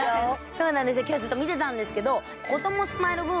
そうなんですよ今日ずっと見てたんですけど。